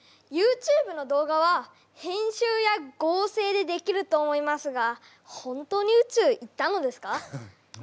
ＹｏｕＴｕｂｅの動画は編集や合成でできると思いますが本当に宇宙行ったのですか？